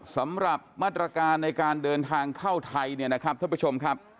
สำหรับมาตรการในการเดินทางเข้าไทยเนี่ยนะครับท่านผู้ชมครับ